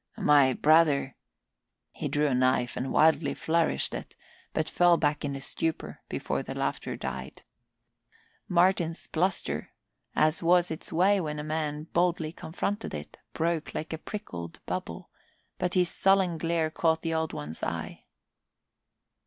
My brother " He drew a knife and wildly flourished it, but fell back in a stupor before the laughter died. Martin's bluster, as was its way when a man boldly confronted it, broke like a pricked bubble, but his sullen glare caught the Old One's eye.